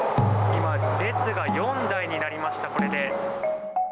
今、列が４台になりました。